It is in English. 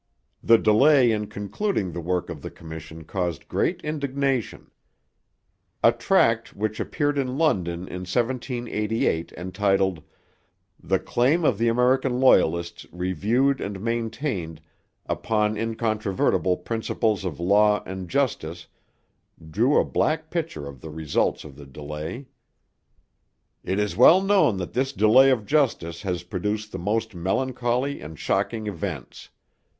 The delay in concluding the work of the commission caused great indignation. A tract which appeared in London in 1788 entitled The Claim of the American Loyalists Reviewed and Maintained upon Incontrovertible Principles of Law and Justice drew a black picture of the results of the delay: It is well known that this delay of justice has produced the most melancholy and shocking events.